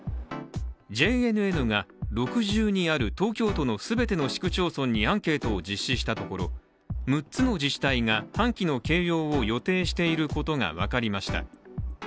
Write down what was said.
ＪＮＮが６２ある東京都の全ての市区町村にアンケートを実施したところ６つの自治体が半旗の掲揚を予定していることが分かりました。